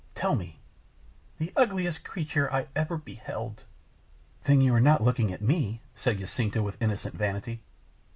Tell me." "The ugliest creature I ever beheld." "Then you are not looking at me," said Jacinta, with innocent vanity.